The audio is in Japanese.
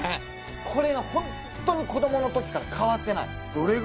これがホントに子供の時から変わってない